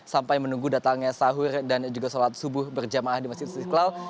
sampai menunggu datangnya sahur dan juga sholat subuh berjamaah di masjid istiqlal